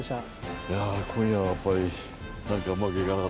今夜はやっぱりうまくいかなかったけど。